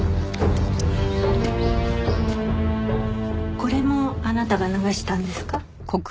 これもあなたが流したんですか？